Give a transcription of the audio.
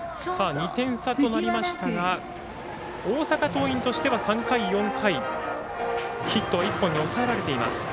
２点差となりましたが大阪桐蔭としては３回、４回ヒット１本に抑えられています。